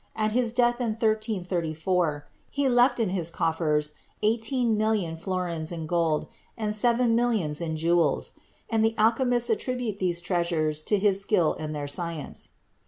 At his death in 1334, he left in his coffers eighteen million florins in gold and seven millions in jewels, and alchemists attribute these treasures to his skill in their science.